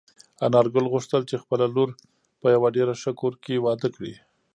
انارګل غوښتل چې خپله لور په یوه ډېر ښه کور کې واده کړي.